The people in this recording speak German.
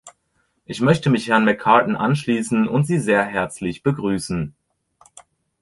Ich möchte mich Herrn McCartin anschließen und Sie sehr herzlich begrüßen.